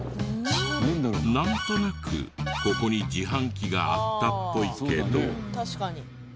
なんとなくここに自販機があったっぽいけど。